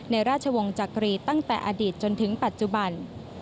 ในราชวงศ์จักรีตั้งแต่อดีตจนถึงปัจจุบัน